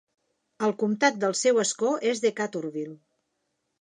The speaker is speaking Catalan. El comtat del seu escó és Decaturville.